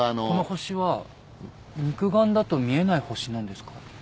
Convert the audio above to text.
この星は肉眼だと見えない星なんですか？